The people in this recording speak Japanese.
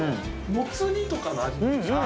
もつ煮とかの味に近い。